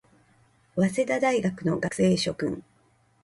早稲田大学の学生諸君